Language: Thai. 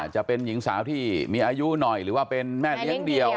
จะเป็นหญิงสาวที่มีอายุหน่อยหรือว่าเป็นแม่เลี้ยงเดี่ยว